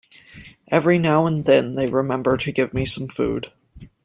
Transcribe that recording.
Every now and then they remember to give me some food.